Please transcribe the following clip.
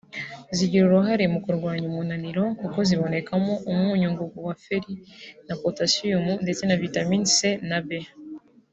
Zigira uruhare mu kurwanya umunaniro kuko zibonekamo umunyungugu wa feri na potasiyumu ndetse na vitamine C na B